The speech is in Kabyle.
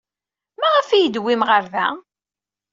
Maɣef ay iyi-d-tewwim ɣer da?